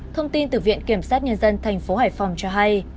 thông tin từ viện kiểm sát nhân dân thành phố hải phòng cho hay